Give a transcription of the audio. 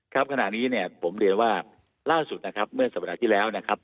ขณะนี้เนี่ยผมเรียนว่าล่าสุดนะครับเมื่อสัปดาห์ที่แล้วนะครับ